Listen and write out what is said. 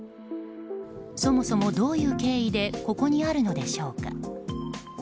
そもそも、どういう経緯でここにあるのでしょうか。